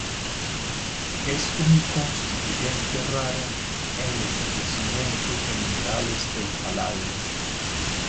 Es un constituyente raro en los yacimientos de minerales del paladio.